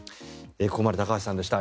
ここまで高橋さんでした。